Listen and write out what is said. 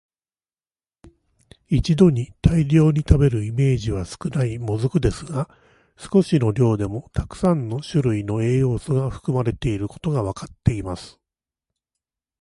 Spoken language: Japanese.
一度に大量に食べるイメージは少ない「もずく」ですが、少しの量でもたくさんの種類の栄養素が含まれていることがわかっています。